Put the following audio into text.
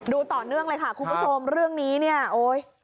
ต่อเนื่องเลยค่ะคุณผู้ชมเรื่องนี้เนี่ยโอ๊ย